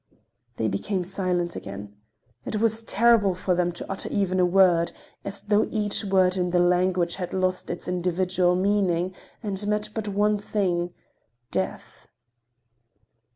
They became silent again. It was terrible for them to utter even a word, as though each word in the language had lost its individual meaning and meant but one thing—Death.